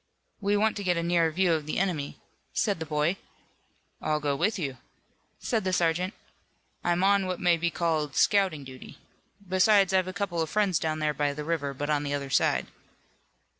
"We want to get a nearer view of the enemy," said the boy. "I'll go with you," said the sergeant. "I'm on what may be called scouting duty. Besides, I've a couple of friends down there by the river, but on the other side."